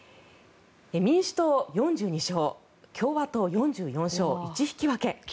民主党、４２勝共和党、４４勝１引き分け。